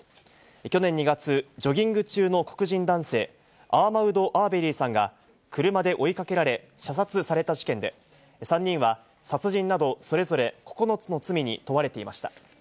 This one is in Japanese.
去年２月、ジョギング中の黒人男性、アーマウド・アーベリーさんが車で追いかけられ、射殺された事件で、３人は殺人などそれぞれ９つの罪に問われていました。